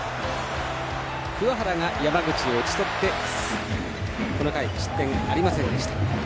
鍬原が山口を打ちとってこの回、失点ありませんでした。